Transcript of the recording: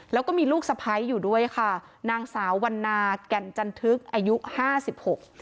แล้วก็มีลูกสะพ้ายอยู่ด้วยค่ะนางสาววันนาแก่นจันทึกอายุห้าสิบหก